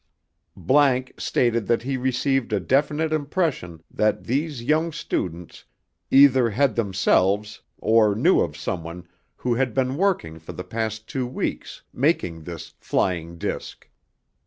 ____ stated that he received a definite impression that these young students either had themselves or knew of someone who had been working for the past two weeks making this "flying disc".